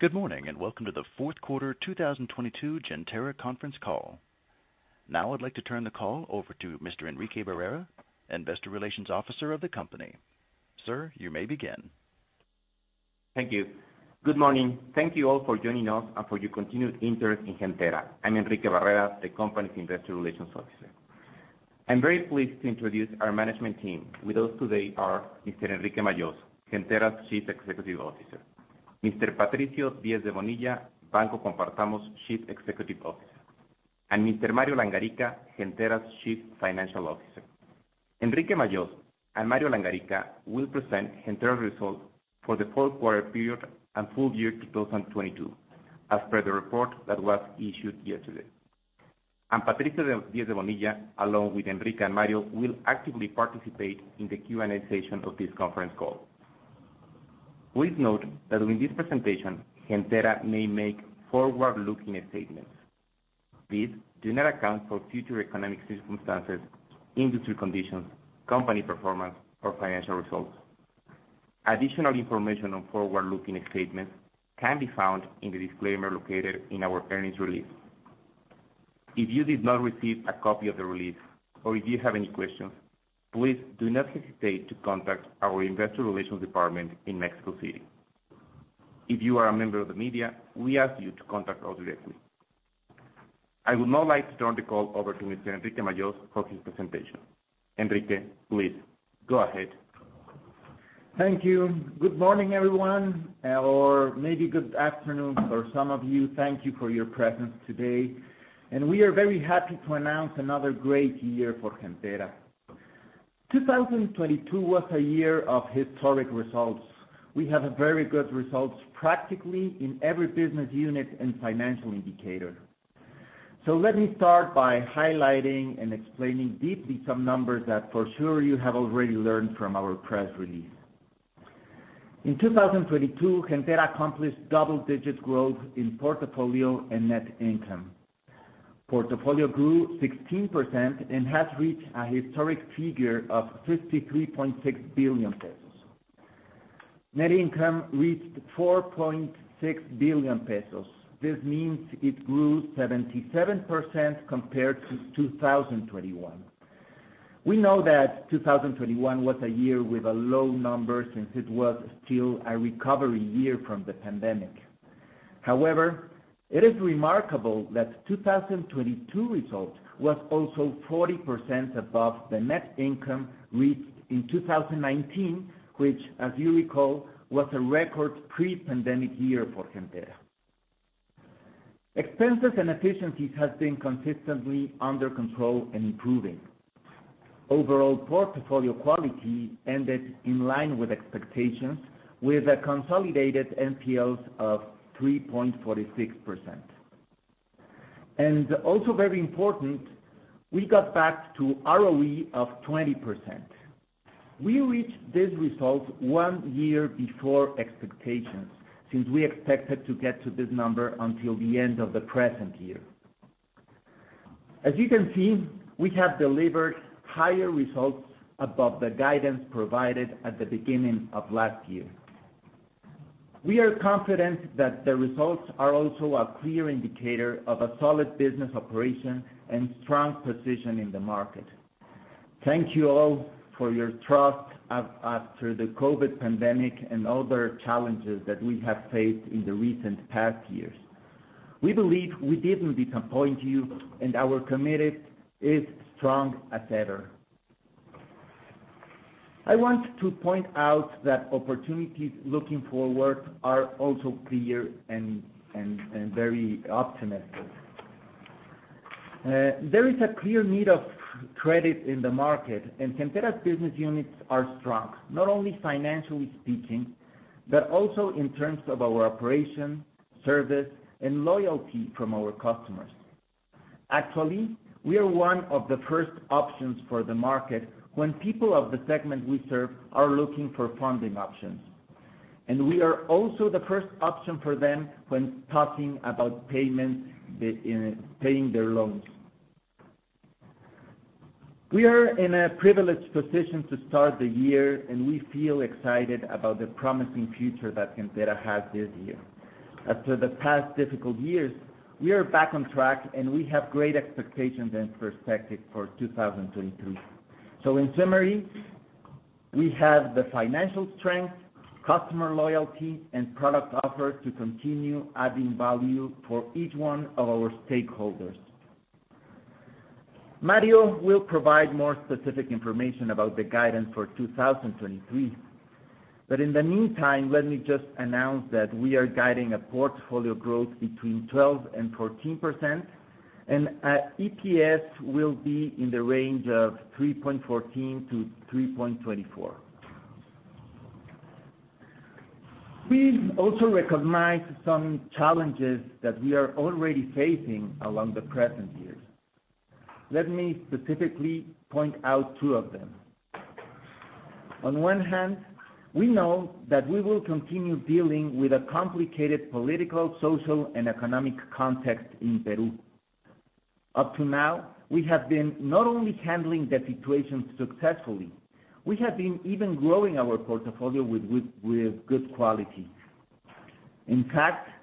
Good morning, welcome to the fourth quarter 2022 Gentera conference call. Now I'd like to turn the call over to Mr. Enrique Barrera, Investor Relations Officer of the company. Sir, you may begin. Thank you. Good morning. Thank you all for joining us and for your continued interest in Gentera. I'm Enrique Barrera, the company's Investor Relations officer. I'm very pleased to introduce our management team. With us today are Mr. Enrique Majós, Gentera's Chief Executive Officer, Mr. Patricio Diez de Bonilla, Banco Compartamos Chief Executive Officer, and Mr. Mario Langarica, Gentera's Chief Financial Officer. Enrique Majós and Mario Langarica will present Gentera results for the fourth quarter period and full year 2022, as per the report that was issued yesterday. Patricio Diez de Bonilla, along with Enrique and Mario, will actively participate in the Q&A session of this conference call. Please note that during this presentation, Gentera may make forward-looking statements. These do not account for future economic circumstances, industry conditions, company performance, or financial results. Additional information on forward-looking statements can be found in the disclaimer located in our earnings release. If you did not receive a copy of the release or if you have any questions, please do not hesitate to contact our investor relations department in Mexico City. If you are a member of the media, we ask you to contact us directly. I would now like to turn the call over to Mr. Enrique Majós for his presentation. Enrique, please go ahead. Thank you. Good morning, everyone, or maybe good afternoon for some of you. Thank you for your presence today. We are very happy to announce another great year for Gentera. 2022 was a year of historic results. We have a very good results practically in every business unit and financial indicator. Let me start by highlighting and explaining deeply some numbers that for sure you have already learned from our press release. In 2022, Gentera accomplished double-digit growth in portfolio and net income. Portfolio grew 16% and has reached a historic figure of 53.6 billion pesos. Net income reached 4.6 billion pesos. This means it grew 77% compared to 2021. We know that 2021 was a year with a low number since it was still a recovery year from the pandemic. It is remarkable that 2022 results was also 40% above the net income reached in 2019, which as you recall, was a record pre-pandemic year for Gentera. Expenses and efficiencies has been consistently under control and improving. Overall portfolio quality ended in line with expectations, with a consolidated NPLs of 3.46%. Also very important, we got back to ROE of 20%. We reached this result one year before expectations since we expected to get to this number until the end of the present year. As you can see, we have delivered higher results above the guidance provided at the beginning of last year. We are confident that the results are also a clear indicator of a solid business operation and strong position in the market. Thank you all for your trust as, after the COVID pandemic and other challenges that we have faced in the recent past years. We believe we didn't disappoint you, and our commitment is strong as ever. I want to point out that opportunities looking forward are also clear and very optimistic. There is a clear need of credit in the market, and Gentera's business units are strong, not only financially speaking, but also in terms of our operation, service, and loyalty from our customers. Actually, we are one of the first options for the market when people of the segment we serve are looking for funding options. We are also the first option for them when talking about payments, paying their loans. We are in a privileged position to start the year, and we feel excited about the promising future that Gentera has this year. After the past difficult years, we are back on track, and we have great expectations and perspective for 2023. In summary, we have the financial strength, customer loyalty, and product offer to continue adding value for each one of our stakeholders. Mario will provide more specific information about the guidance for 2023. In the meantime, let me just announce that we are guiding a portfolio growth between 12%-14%, and EPS will be in the range of 3.14-3.24. We also recognize some challenges that we are already facing along the present years. Let me specifically point out two of them. On one hand, we know that we will continue dealing with a complicated political, social, and economic context in Peru. Up to now, we have been not only handling the situation successfully, we have been even growing our portfolio with good quality. I'm talking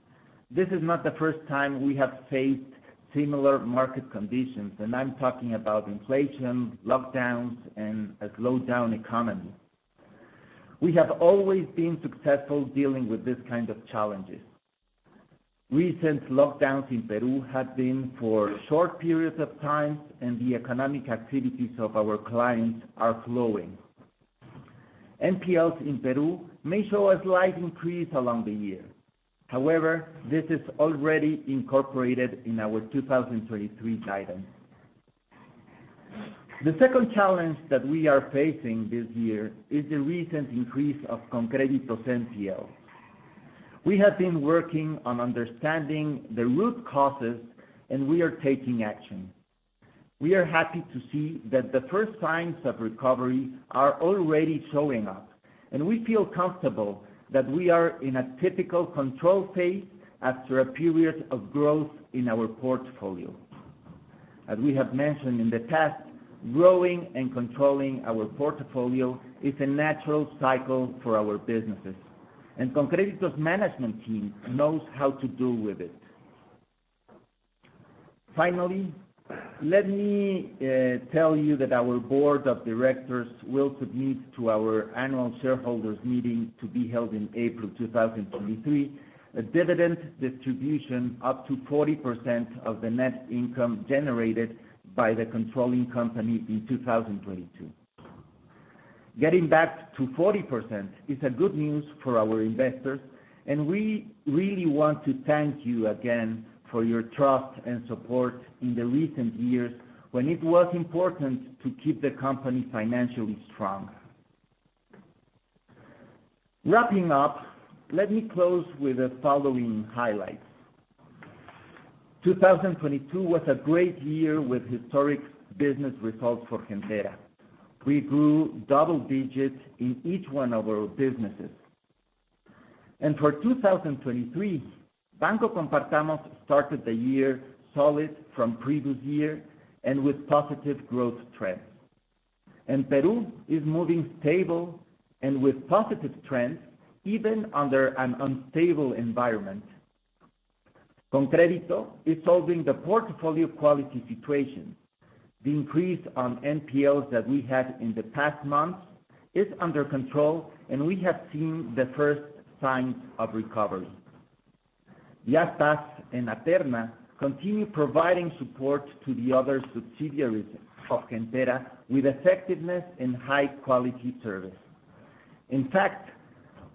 about inflation, lockdowns, and a slowed down economy. We have always been successful dealing with this kind of challenges. Recent lockdowns in Peru have been for short periods of time, and the economic activities of our clients are flowing. NPLs in Peru may show a slight increase along the year. This is already incorporated in our 2023 guidance. The second challenge that we are facing this year is the recent increase of ConCrédito's NPL. We have been working on understanding the root causes, we are taking action. We are happy to see that the first signs of recovery are already showing up, we feel comfortable that we are in a typical control phase after a period of growth in our portfolio. As we have mentioned in the past, growing and controlling our portfolio is a natural cycle for our businesses, ConCrédito's management team knows how to deal with it. Finally, let me tell you that our board of directors will submit to our annual shareholders meeting to be held in April 2023, a dividend distribution up to 40% of the net income generated by the controlling company in 2022. Getting back to 40% is a good news for our investors, we really want to thank you again for your trust and support in the recent years when it was important to keep the company financially strong. Wrapping up, let me close with the following highlights. 2022 was a great year with historic business results for Gentera. We grew double digits in each one of our businesses. For 2023, Banco Compartamos started the year solid from previous year and with positive growth trends. Peru is moving stable and with positive trends even under an unstable environment. ConCrédito is solving the portfolio quality situation. The increase on NPL that we had in the past months is under control, and we have seen the first signs of recovery. Yastás and Aterna continue providing support to the other subsidiaries of Gentera with effectiveness and high-quality service. In fact,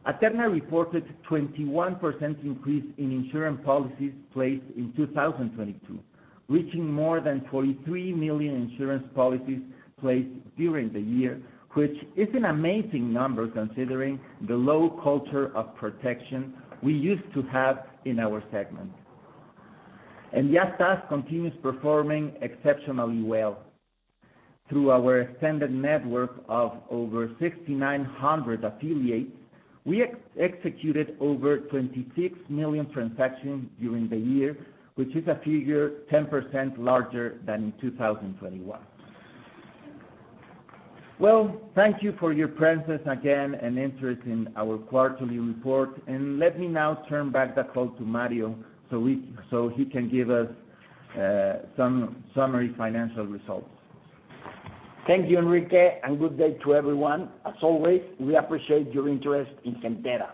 Aterna reported 21% increase in insurance policies placed in 2022, reaching more than 43 million insurance policies placed during the year, which is an amazing number considering the low culture of protection we used to have in our segment. Yastás continues performing exceptionally well. Through our extended network of over 6,900 affiliates, we executed over 26 million transactions during the year, which is a figure 10% larger than in 2021. Well, thank you for your presence again and interest in our quarterly report. Let me now turn back the call to Mario so he can give us some summary financial results. Thank you, Enrique, and good day to everyone. As always, we appreciate your interest in Gentera.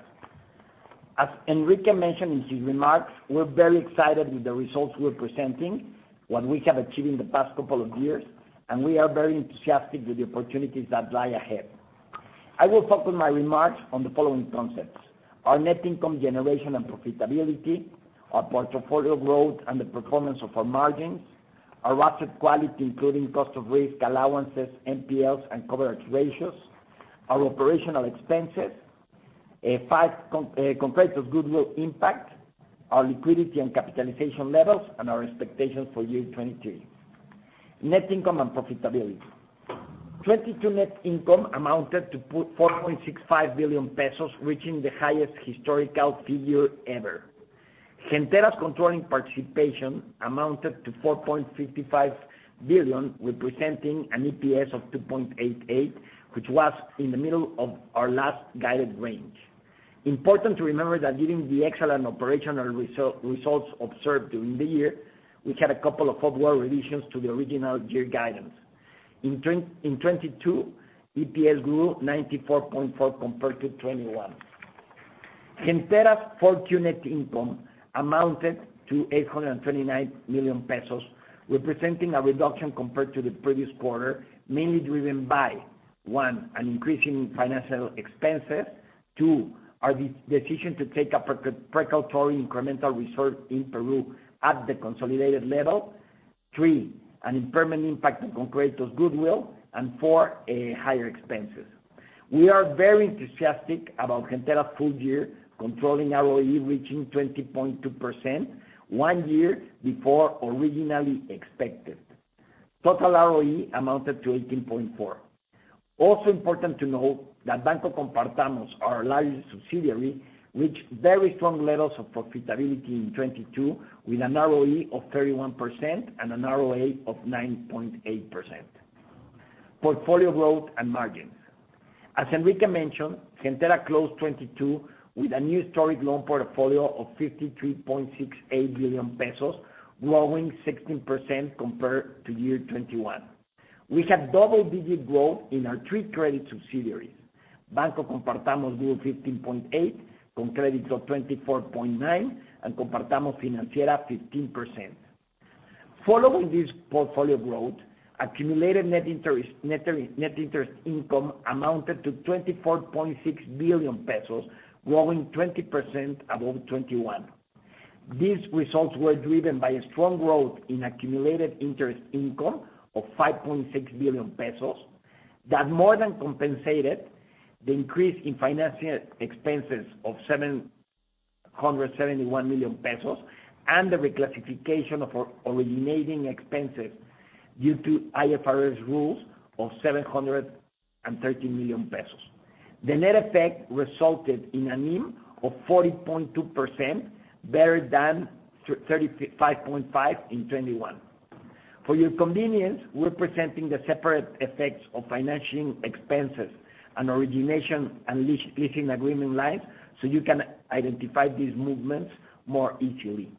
As Enrique mentioned in his remarks, we're very excited with the results we're presenting, what we have achieved in the past couple of years, and we are very enthusiastic with the opportunities that lie ahead. I will focus my remarks on the following concepts: our net income generation and profitability, our portfolio growth and the performance of our margins, our asset quality, including cost of risk, allowances, NPLs, and coverage ratios, our operational expenses, ConCrédito's goodwill impact, our liquidity and capitalization levels, and our expectations for year 2023. Net income and profitability. 2022 net income amounted to 4.65 billion pesos, reaching the highest historical figure ever. Gentera's controlling participation amounted to 4.55 billion, representing an EPS of 2.88, which was in the middle of our last guided range. Important to remember that given the excellent operational results observed during the year, we had a couple of upward revisions to the original year guidance. In 2022, EPS grew 94.4% compared to 2021. Gentera's full year net income amounted to 829 million pesos, representing a reduction compared to the previous quarter, mainly driven by, one, an increase in financial expenses, two, our decision to take a precautory incremental reserve in Peru at the consolidated level, three, an impairment impact on ConCrédito's goodwill, and four, a higher expenses. We are very enthusiastic about Gentera's full year controlling ROE reaching 20.2%, one year before originally expected. Total ROE amounted to 18.4%. Important to note that Banco Compartamos, our largest subsidiary, reached very strong levels of profitability in 2022, with an ROE of 31% and an ROA of 9.8%. Portfolio growth and margins. As Enrique mentioned, Gentera closed 2022 with a new historic loan portfolio of 53.68 billion pesos, growing 16% compared to year 2021. We have double-digit growth in our three credit subsidiaries. Banco Compartamos grew 15.8%, ConCrédito 24.9%, and Compartamos Financiera 15%. Following this portfolio growth, accumulated net interest income amounted to 24.6 billion pesos, growing 20% above 2021. These results were driven by a strong growth in accumulated interest income of 5.6 billion pesos that more than compensated the increase in financial expenses of 771 million pesos and the reclassification of originating expenses due to IFRS rules of 730 million pesos. The net effect resulted in a NIM of 40.2%, better than 35.5% in 2021. For your convenience, we're presenting the separate effects of financing expenses and origination and leasing agreement lines, so you can identify these movements more easily.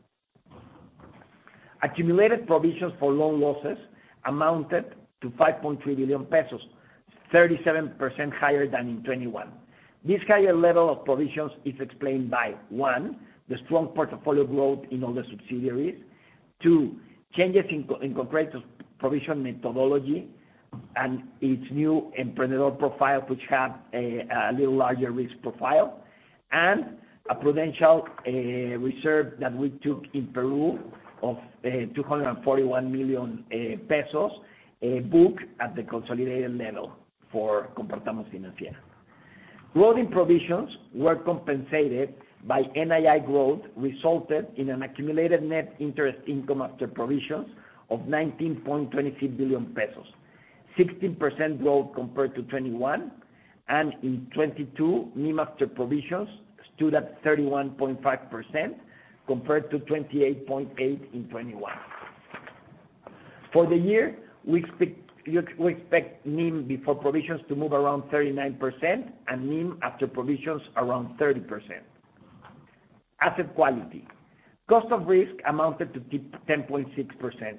Accumulated provisions for loan losses amounted to 5.3 billion pesos, 37% higher than in 2021. This higher level of provisions is explained by, one, the strong portfolio growth in all the subsidiaries. Two, changes in Compartamos provision methodology and its new entrepreneurial profile, which have a little larger risk profile, and a prudential reserve that we took in Peru of 241 million pesos, booked at the consolidated level for Compartamos Financiera. Growing provisions were compensated by NII growth, resulted in an accumulated net interest income after provisions of 19.22 billion pesos, 16% growth compared to 2021. In 2022, NIM after provisions stood at 31.5% compared to 28.8% in 2021. For the year, we expect NIM before provisions to move around 39% and NIM after provisions around 30%. Asset quality. Cost of risk amounted to 10.6%.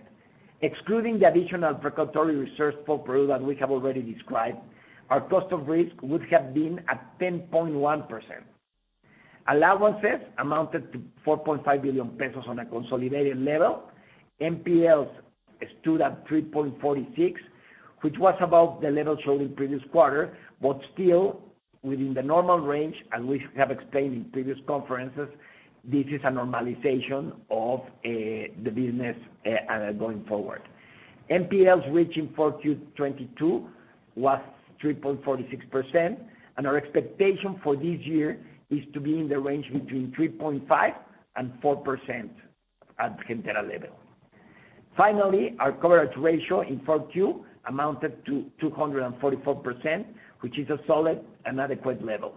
Excluding the additional precautionary reserves for Peru that we have already described, our cost of risk would have been at 10.1%. Allowances amounted to 4.5 billion pesos on a consolidated level. NPLs stood at 3.46%, which was above the level shown in the previous quarter, but still within the normal range, and we have explained in previous conferences this is a normalization of the business going forward. NPLs reached in 4Q 2022 was 3.46%, and our expectation for this year is to be in the range between 3.5%-4% at Gentera level. Finally, our coverage ratio in 4Q amounted to 244%, which is a solid and adequate level.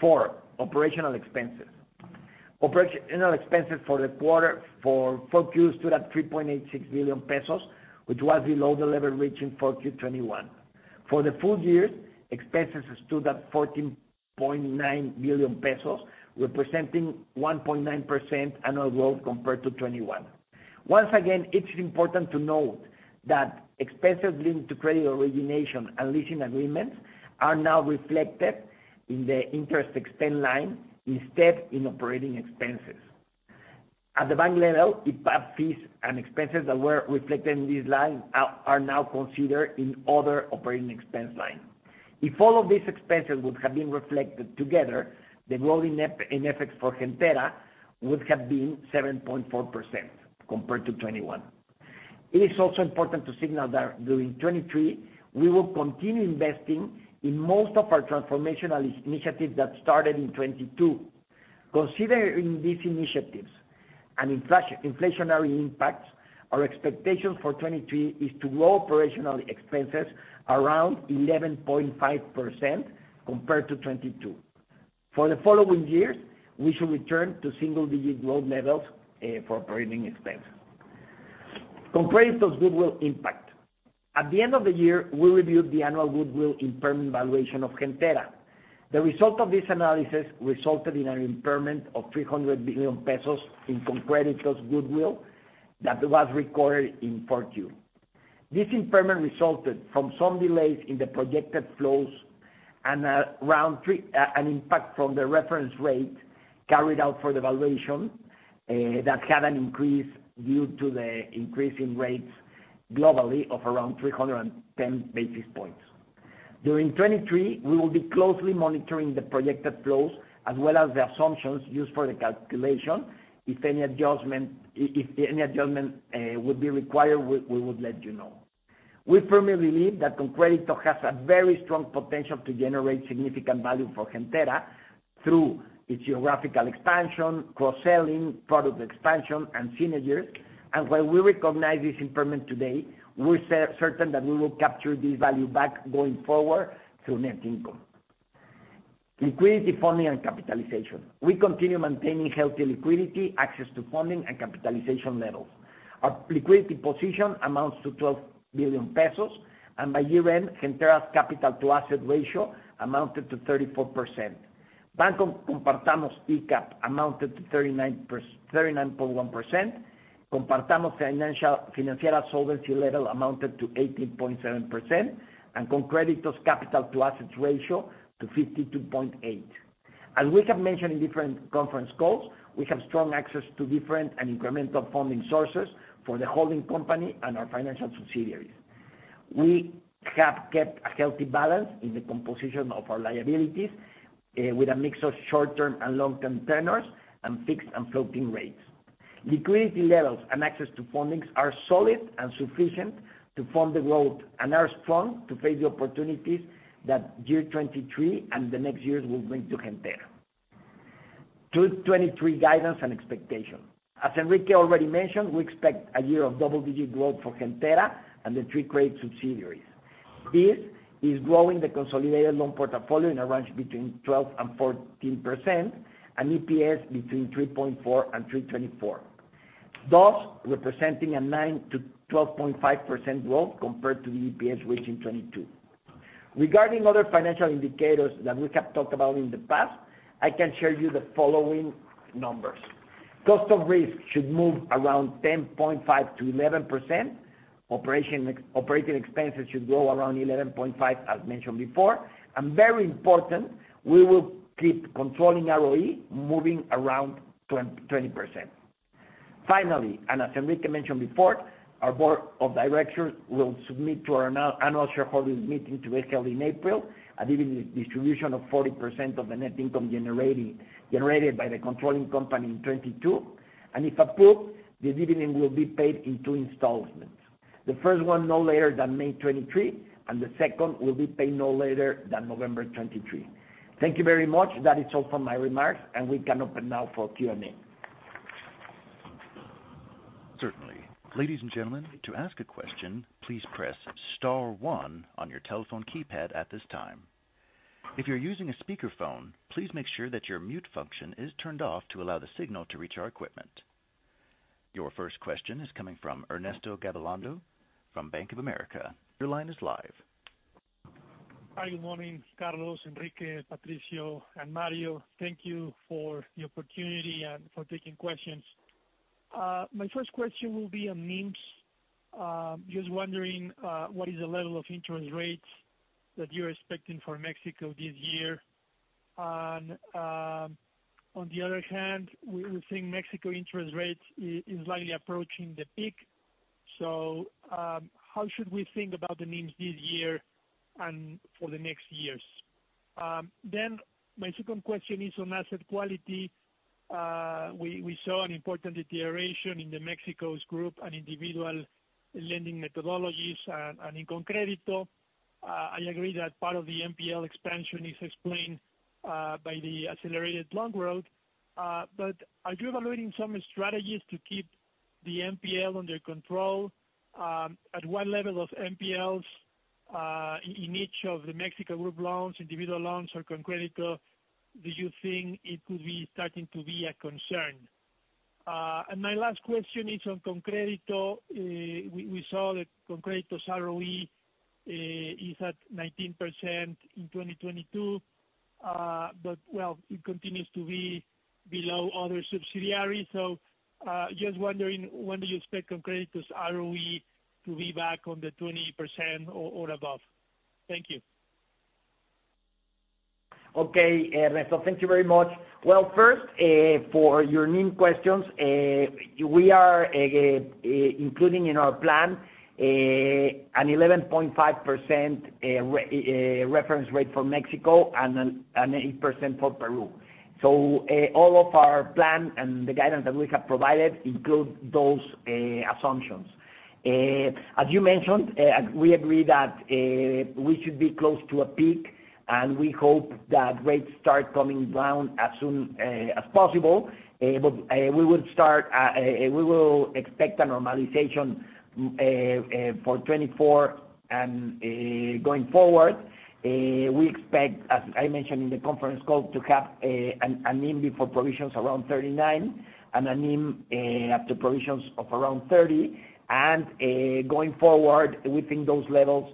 four, operational expenses. Operational expenses for the quarter, for 4Q stood at 3.86 billion pesos, which was below the level reached in 4Q 2021. For the full year, expenses stood at 14.9 billion pesos, representing 1.9% annual growth compared to 2021. Once again, it's important to note that expenses linked to credit origination and leasing agreements are now reflected in the interest expense line instead in operating expenses. At the bank level, if fees and expenses that were reflected in this line are now considered in other operating expense line. If all of these expenses would have been reflected together, the growth in FX for Gentera would have been 7.4% compared to 2021. It is also important to signal that during 2023, we will continue investing in most of our transformational initiatives that started in 2022. Considering these initiatives and inflationary impacts, our expectation for 2023 is to grow operational expenses around 11.5% compared to 2022. For the following years, we should return to single-digit growth levels for operating expenses. Compartamos goodwill impact. At the end of the year, we reviewed the annual goodwill impairment valuation of Gentera. The result of this analysis resulted in an impairment of 300 million pesos in Compartamos goodwill that was recorded in 4Q. This impairment resulted from some delays in the projected flows and an impact from the reference rate carried out for the valuation that had an increase due to the increase in rates globally of around 310 basis points. During 2023, we will be closely monitoring the projected flows as well as the assumptions used for the calculation. If any adjustment, if any adjustment would be required, we would let you know. We firmly believe that ConCrédito has a very strong potential to generate significant value for Gentera through its geographical expansion, cross-selling, product expansion, and synergy. While we recognize this impairment today, we're certain that we will capture this value back going forward through net income. Liquidity funding and capitalization. We continue maintaining healthy liquidity, access to funding, and capitalization levels. Our liquidity position amounts to 12 billion pesos, by year-end, Gentera's capital to asset ratio amounted to 34%. Banco Compartamos ECAP amounted to 39.1%. Compartamos Financiera solvency level amounted to 18.7%, ConCrédito's capital to assets ratio to 52.8%. As we have mentioned in different conference calls, we have strong access to different and incremental funding sources for the holding company and our financial subsidiaries. We have kept a healthy balance in the composition of our liabilities, with a mix of short-term and long-term tenors and fixed and floating rates. Liquidity levels and access to fundings are solid and sufficient to fund the growth and are strong to face the opportunities that year 2023 and the next years will bring to Gentera. 2023 guidance and expectation. As Enrique already mentioned, we expect a year of double-digit growth for Gentera and the three great subsidiaries. This is growing the consolidated loan portfolio in a range between 12%-14% and EPS between 3.4 and 3.24, thus representing a 9%-12.5% growth compared to the EPS reached in 2022. Regarding other financial indicators that we have talked about in the past, I can share you the following numbers. Cost of risk should move around 10.5%-11%. Operating expenses should grow around 11.5%, as mentioned before. Very important, we will keep controlling ROE moving around 20%. Finally, as Enrique mentioned before, our board of directors will submit to our annual shareholders meeting to be held in April, a dividend distribution of 40% of the net income generated by the controlling company in 2022. If approved, the dividend will be paid in two installments. The first one no later than May 2023, and the second will be paid no later than November 2023. Thank you very much. That is all for my remarks, and we can open now for Q&A. Certainly. Ladies and gentlemen, to ask a question, please press star one on your telephone keypad at this time. If you're using a speakerphone, please make sure that your mute function is turned off to allow the signal to reach our equipment. Your first question is coming from Ernesto Gabilondo from Bank of America. Your line is live. Hi, good morning, Carlos, Enrique, Patricio, and Mario. Thank you for the opportunity and for taking questions. My first question will be on NIMs. Just wondering, what is the level of interest rates that you're expecting for Mexico this year? On the other hand, we think Mexico interest rates is likely approaching the peak. How should we think about the NIMs this year and for the next years? My second question is on asset quality. We saw an important deterioration in the Mexico's group and individual lending methodologies and in ConCrédito. I agree that part of the NPL expansion is explained by the accelerated loan growth. Are you evaluating some strategies to keep the NPL under control? At what level of NPLs, in each of the Mexico group loans, individual loans or ConCrédito, do you think it could be starting to be a concern? My last question is on ConCrédito. We saw that ConCrédito's ROE is at 19% in 2022. Well, it continues to be below other subsidiaries. Just wondering when do you expect ConCrédito's ROE to be back on the 20% or above? Thank you. Okay, Ernesto Gabilondo, thank you very much. First, for your NIM questions, we are including in our plan an 11.5% reference rate for Mexico and an 8% for Peru. All of our plan and the guidance that we have provided include those assumptions. As you mentioned, we agree that we should be close to a peak, and we hope that rates start coming down as soon as possible. We would start, we will expect a normalization for 2024 and going forward. We expect, as I mentioned in the conference call, to have a NIM before provisions around 39 and a NIM after provisions of around 30. Going forward, we think those levels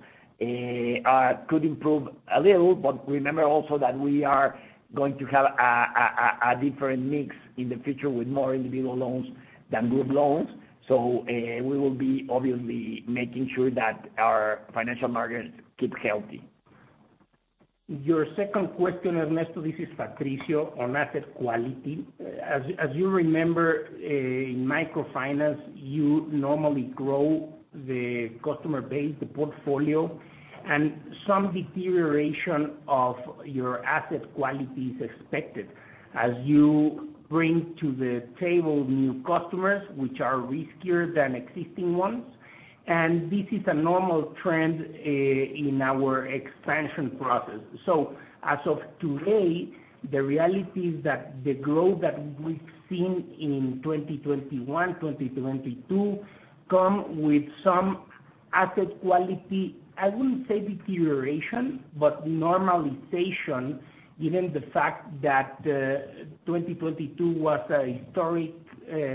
could improve a little. Remember also that we are going to have a different mix in the future with more individual loans than group loans. We will be obviously making sure that our financial margins keep healthy. Your second question, Ernesto, this is Patricio, on asset quality. As you remember, in microfinance, you normally grow the customer base, the portfolio and some deterioration of your asset quality is expected as you bring to the table new customers which are riskier than existing ones. This is a normal trend in our expansion process. As of today, the reality is that the growth that we've seen in 2021, 2022 come with some asset quality, I wouldn't say deterioration, but normalization, given the fact that 2022 was a historic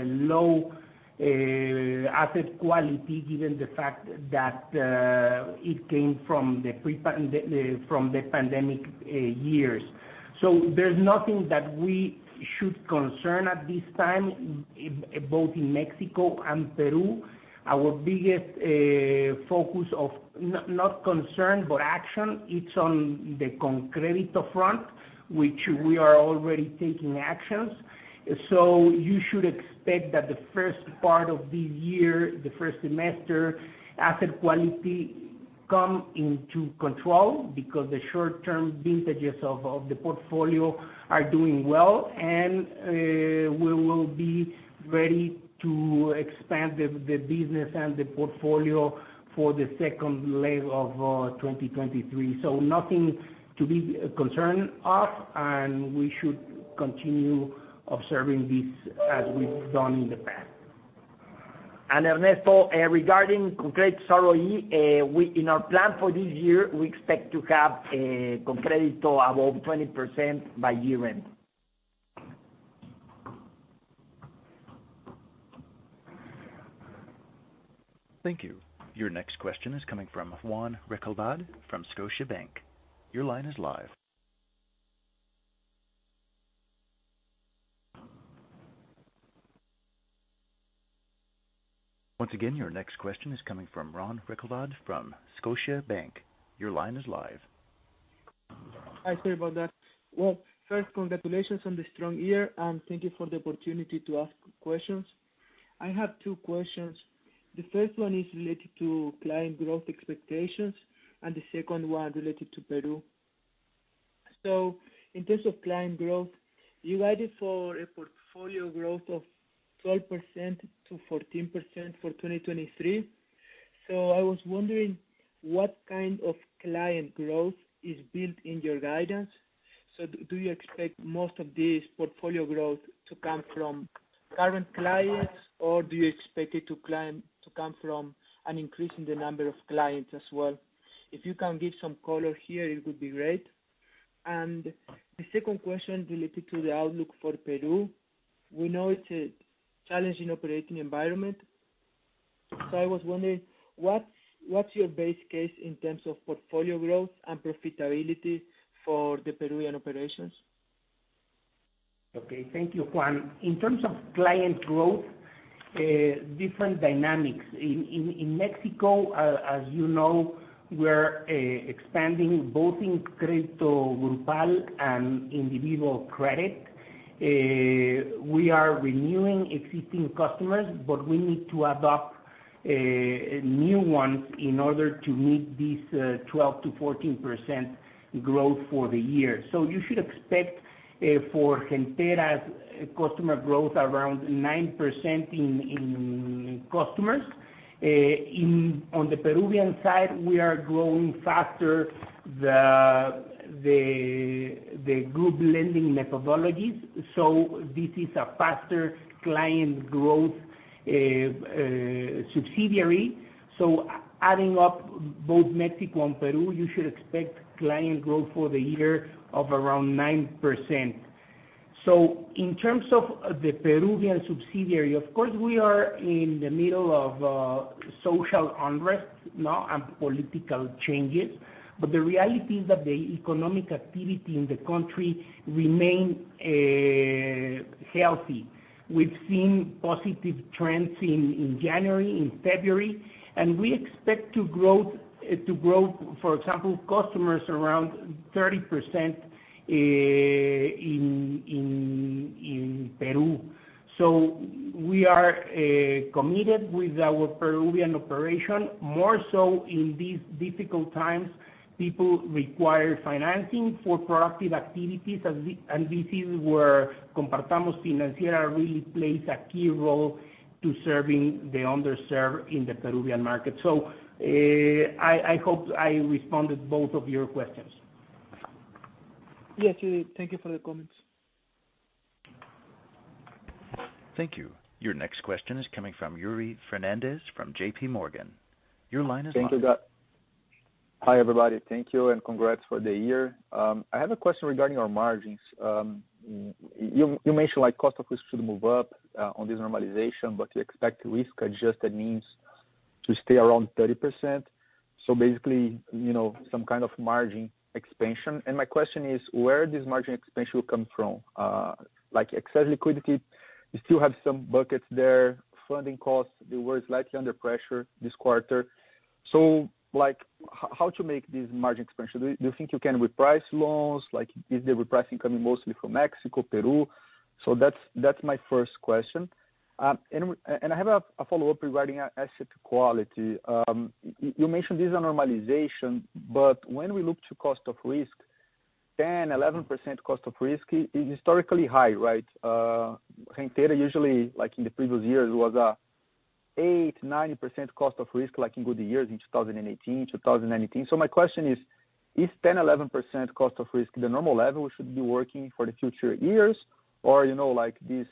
low asset quality, given the fact that it came from the pandemic years. There's nothing that we should concern at this time, both in Mexico and Peru. Our biggest focus of not concern, but action, it's on the ConCrédito front, which we are already taking actions. You should expect that the first part of this year, the first semester, asset quality come into control because the short-term vintages of the portfolio are doing well. We will be ready to expand the business and the portfolio for the second leg of 2023. Nothing to be concerned of, and we should continue observing this as we've done in the past. Ernesto, regarding ConCrédito ROE, in our plan for this year, we expect to have ConCrédito above 20% by year-end. Thank you. Your next question is coming from Juan Recalde from Scotiabank. Your line is live. Once again, your next question is coming from Juan Recalde from Scotiabank. Your line is live. I'm sorry about that. First, congratulations on the strong year, and thank you for the opportunity to ask questions. I have two questions. The first one is related to client growth expectations and the second one related to Peru. In terms of client growth, you guided for a portfolio growth of 12%-14% for 2023. I was wondering what kind of client growth is built in your guidance. Do you expect most of this portfolio growth to come from current clients, or do you expect it to come from an increase in the number of clients as well? If you can give some color here, it would be great. The second question related to the outlook for Peru. We know it's a challenging operating environment, so I was wondering what's your base case in terms of portfolio growth and profitability for the Peruvian operations? Okay. Thank you, Juan. In terms of client growth, different dynamics. In Mexico, as you know, we're expanding both in Crédito Grupal and individual credit. We are renewing existing customers, but we need to adopt new ones in order to meet this 12%-14% growth for the year. You should expect for Gentera's customer growth around 9% in customers. On the Peruvian side, we are growing faster the group lending methodologies, this is a faster client growth subsidiary. Adding up both Mexico and Peru, you should expect client growth for the year of around 9%. In terms of the Peruvian subsidiary, of course, we are in the middle of social unrest now and political changes, but the reality is that the economic activity in the country remain healthy. We've seen positive trends in January, in February, and we expect to grow, for example, customers around 30% in Peru. We are committed with our Peruvian operation. More so in these difficult times, people require financing for productive activities, as we and this is where Compartamos Financiera really plays a key role to serving the underserved in the Peruvian market. I hope I responded both of your questions. Yes, you did. Thank you for the comments. Thank you. Your next question is coming from Yuri Fernandes from JPMorgan. Your line is live. Thank you. Hi, everybody. Thank you and congrats for the year. I have a question regarding our margins. You mentioned like cost of risk should move up on this normalization, but you expect risk-adjusted means to stay around 30%. Basically, you know, some kind of margin expansion. My question is: Where this margin expansion will come from? Like excess liquidity, you still have some buckets there. Funding costs, they were slightly under pressure this quarter. Like, how to make this margin expansion? Do you think you can reprice loans? Like, is the repricing coming mostly from Mexico, Peru? That's my first question. I have a follow-up regarding asset quality. You mentioned this on normalization, but when we look to cost of risk, 10%, 11% cost of risk is historically high, right? Gentera usually, like in the previous years, was, 8%, 9% cost of risk, like in good years in 2018, 2019. My question is 10%, 11% cost of risk the normal level we should be working for the future years? You know, like this,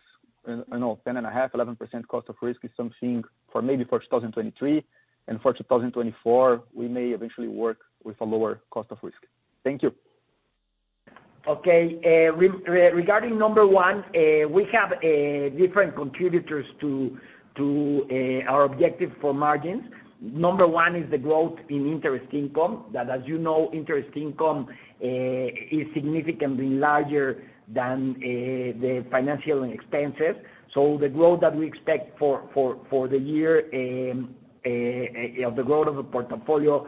you know, 10.5%, 11% cost of risk is something for maybe for 2023, and for 2024, we may eventually work with a lower cost of risk. Thank you. Okay. Regarding number one, we have different contributors to our objective for margins. Number one is the growth in interest income, that as you know, interest income is significantly larger than the financial expenses. The growth that we expect for the year, of the growth of the portfolio,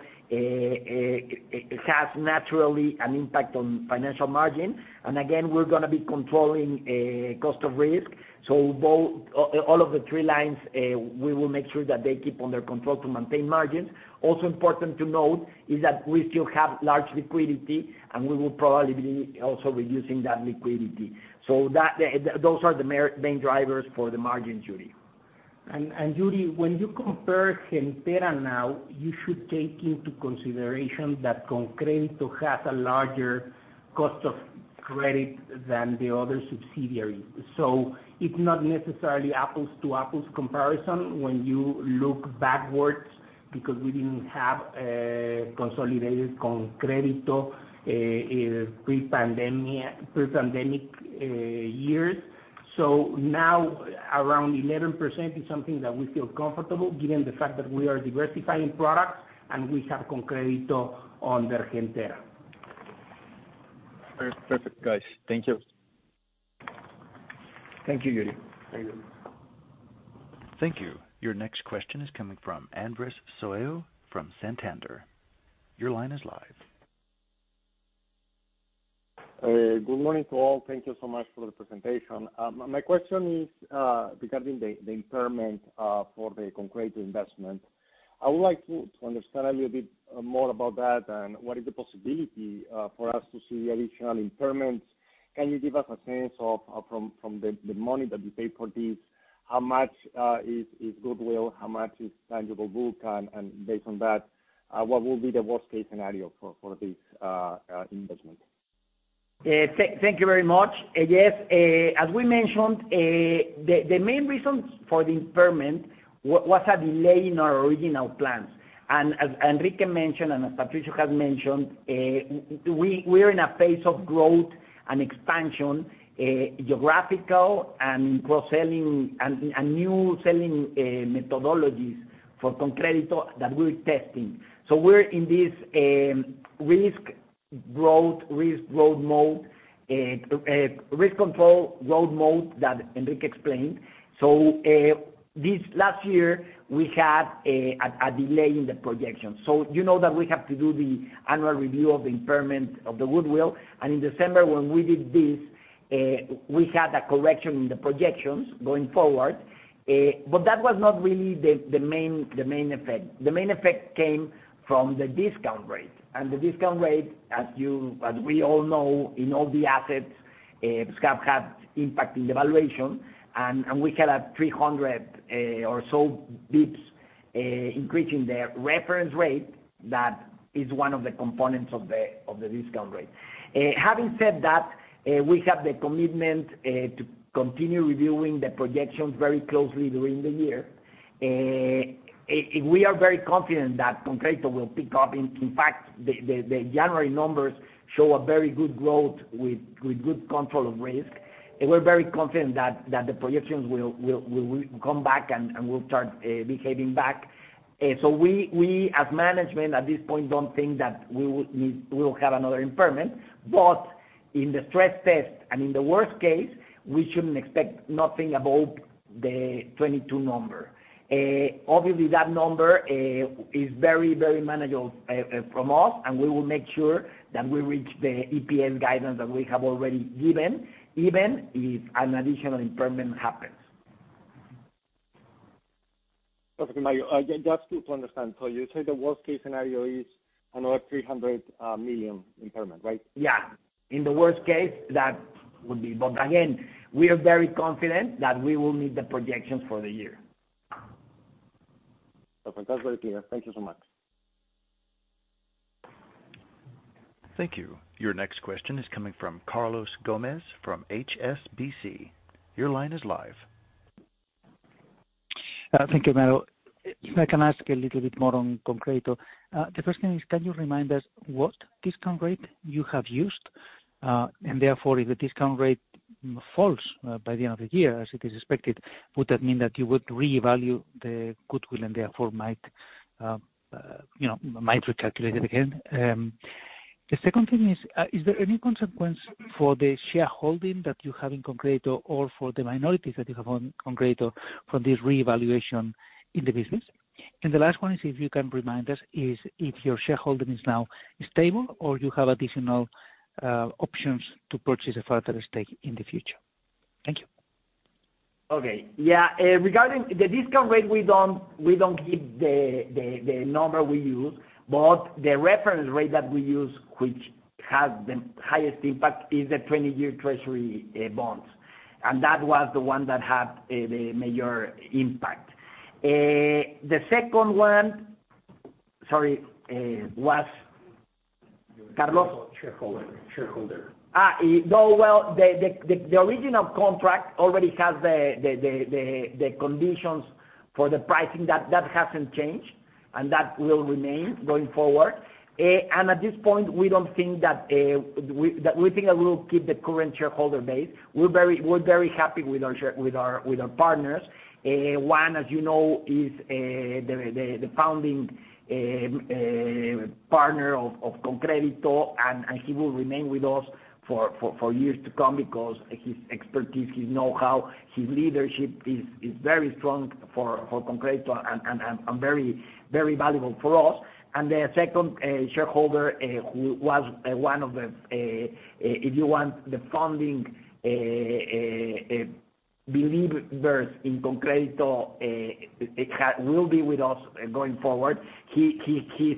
has naturally an impact on financial margin. Again, we're gonna be controlling cost of risk. All of the three lines, we will make sure that they keep under control to maintain margins. Also important to note is that we still have large liquidity, and we will probably be also reducing that liquidity. That, those are the main drivers for the margin, Yuri. Yuri, when you compare Gentera now, you should take into consideration that ConCrédito has a larger cost of credit than the other subsidiaries. It's not necessarily apples to apples comparison when you look backwards, because we didn't have consolidated ConCrédito in pre-pandemic years. Now around 11% is something that we feel comfortable, given the fact that we are diversifying products and we have ConCrédito under Gentera. Perfect, guys. Thank you. Thank you, Yuri. Thank you. Thank you. Your next question is coming from Andrés Soto from Santander. Your line is live. Good morning to all. Thank you so much for the presentation. My question is regarding the impairment for the ConCrédito investment. I would like to understand a little bit more about that and what is the possibility for us to see additional impairments. Can you give us a sense of, from the money that you paid for this, how much is goodwill, how much is tangible book? Based on that, what will be the worst case scenario for this investment? Thank you very much. Yes, as we mentioned, the main reason for the impairment was a delay in our original plans. As Enrique mentioned and as Patricio has mentioned, we are in a phase of growth and expansion, geographical and cross-selling and new selling methodologies for ConCrédito that we're testing. we're in this risk growth, risk road mode, risk control road mode that Enrique explained. this last year, we had a delay in the projection. you know that we have to do the annual review of the impairment of the goodwill. In December, when we did this, we had a correction in the projections going forward. that was not really the main effect. The main effect came from the discount rate. The discount rate, as you, as we all know, in all the assets, SCAP had impact in the valuation. We had a 300 or so basis points increasing the reference rate that is one of the components of the discount rate. Having said that, we have the commitment to continue reviewing the projections very closely during the year. We are very confident that ConCrédito will pick up. In fact, the January numbers show a very good growth with good control of risk. We're very confident that the projections will come back and will start behaving back. We as management at this point don't think that we will need, we will have another impairment. In the stress test and in the worst case, we shouldn't expect nothing above the 22 number. Obviously, that number is very, very manageable from us, and we will make sure that we reach the EPS guidance that we have already given, even if an additional impairment happens. Perfect, Mario. Just to understand. You say the worst case scenario is another 300 million impairment, right? Yeah. In the worst case, that would be. Again, we are very confident that we will meet the projections for the year. Okay. That's very clear. Thank you so much. Thank you. Your next question is coming from Carlos Gomez from HSBC. Your line is live. Thank you, Mario. If I can ask a little bit more on ConCrédito. The first thing is, can you remind us what discount rate you have used? Therefore, if the discount rate falls by the end of the year as it is expected, would that mean that you would reevaluate the goodwill and therefore might, you know, might recalculate it again? The second thing is there any consequence for the shareholding that you have in ConCrédito or for the minorities that you have on ConCrédito from this reevaluation in the business? The last one is if you can remind us, is if your shareholding is now stable or you have additional options to purchase a further stake in the future. Thank you. Okay. Yeah. Regarding the discount rate, we don't give the number we use. The reference rate that we use, which has the highest impact, is the 20 year Treasury bonds. That was the one that had the major impact. The second one... Sorry, was Carlos? Shareholder, shareholder. No, well, the original contract already has the conditions for the pricing. That hasn't changed, and that will remain going forward. At this point, we don't think that we think that we'll keep the current shareholder base. We're very happy with our partners. One, as you know, is the founding partner of ConCrédito, and he will remain with us for years to come because his expertise, his know-how, his leadership is very strong for ConCrédito and very valuable for us. The second, shareholder, who was, one of the, if you want, the founding, believers in ConCrédito, will be with us going forward. He's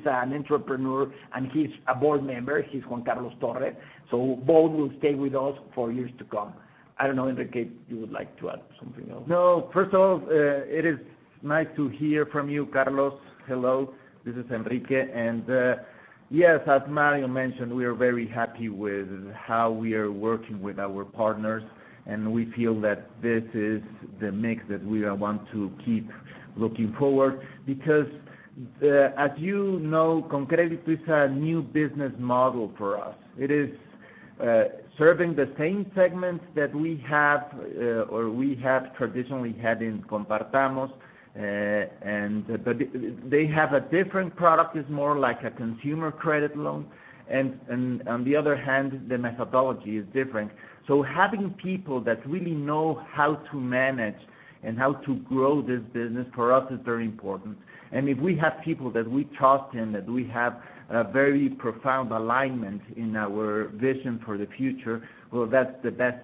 an entrepreneur and he's a board member. He's Juan Carlos Torre. Both will stay with us for years to come. I don't know, Enrique, you would like to add something else? First of all, it is nice to hear from you, Carlos. Hello, this is Enrique. Yes, as Mario mentioned, we are very happy with how we are working with our partners, and we feel that this is the mix that we want to keep looking forward. As you know, ConCrédito is a new business model for us. It is serving the same segments that we have or we have traditionally had in Compartamos, but they have a different product. It's more like a consumer credit loan. On the other hand, the methodology is different. Having people that really know how to manage and how to grow this business, for us is very important. If we have people that we trust and that we have a very profound alignment in our vision for the future, well, that's the best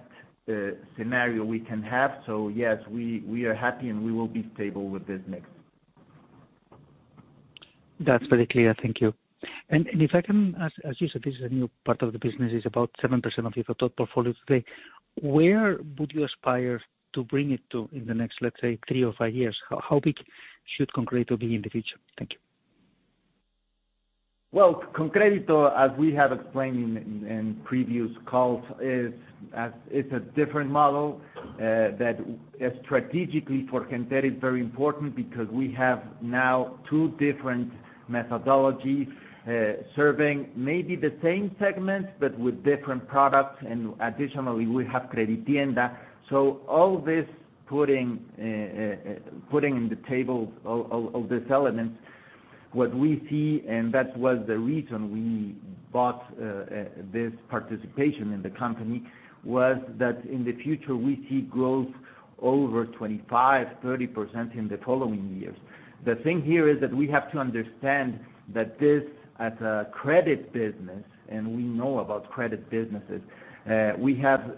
scenario we can have. Yes, we are happy, and we will be stable with this mix. That's very clear. Thank you. If I can ask, as you said, this is a new part of the business. It's about 7% of your total portfolio today. Where would you aspire to bring it to in the next, let's say, three or five years? How big should ConCrédito be in the future? Thank you. ConCrédito, as we have explained in previous calls, it's a different model that strategically for Gentera is very important because we have now two different methodologies serving maybe the same segments, but with different products. Additionally, we have CrediTienda. All this putting in the table all these elements, what we see, and that was the reason we bought this participation in the company, was that in the future, we see growth over 25%-30% in the following years. The thing here is that we have to understand that this, as a credit business, and we know about credit businesses, we have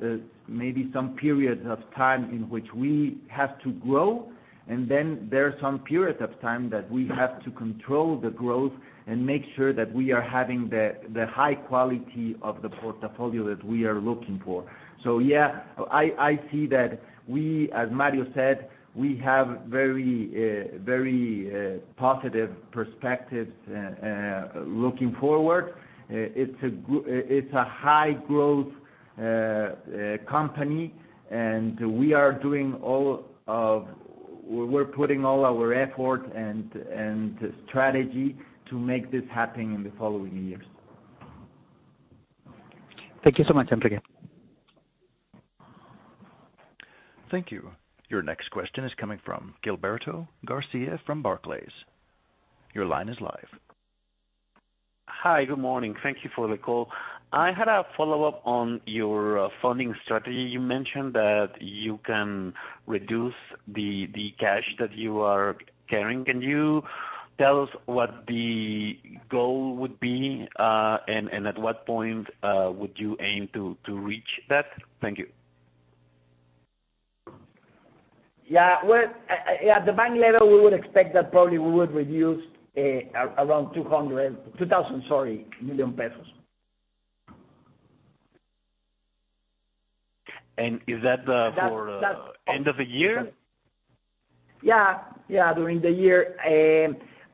maybe some periods of time in which we have to grow, and then there are some periods of time that we have to control the growth and make sure that we are having the high quality of the portfolio that we are looking for. Yeah, I see that we, as Mario said, we have very positive perspectives looking forward. It's a high-growth company, and we're putting all our effort and strategy to make this happen in the following years. Thank you so much, Enrique. Thank you. Your next question is coming from Gilberto Garcia from Barclays. Your line is live. Hi, good morning. Thank you for the call. I had a follow-up on your funding strategy. You mentioned that you can reduce the cash that you are carrying. Can you tell us what the goal would be and at what point would you aim to reach that? Thank you. Yeah. Well, at the bank level, we would expect that probably we would reduce around 2,000, sorry, million. is that. That's. for end of the year? Yeah, during the year.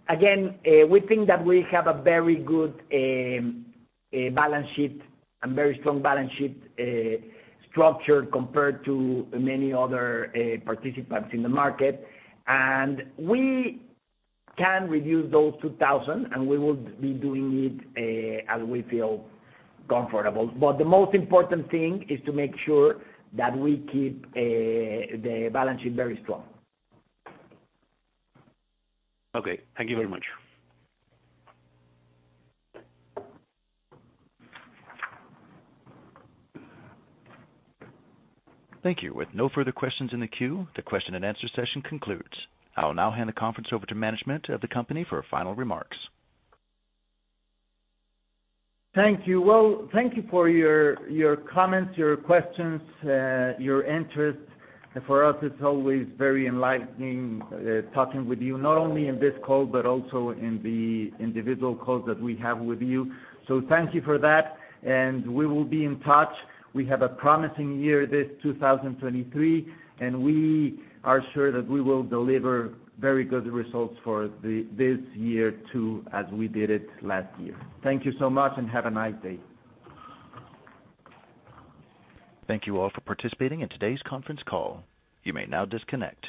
Again, we think that we have a very good balance sheet and very strong balance sheet structure compared to many other participants in the market. We can reduce those 2,000, and we will be doing it as we feel comfortable. The most important thing is to make sure that we keep the balance sheet very strong. Okay. Thank you very much. Thank you. With no further questions in the queue, the question and answer session concludes. I will now hand the conference over to management of the company for final remarks. Thank you. Thank you for your comments, your questions, your interest. For us, it's always very enlightening, talking with you, not only in this call, but also in the individual calls that we have with you. Thank you for that, and we will be in touch. We have a promising year this 2023, and we are sure that we will deliver very good results for this year too, as we did it last year. Thank you so much and have a nice day. Thank you all for participating in today's conference call. You may now disconnect.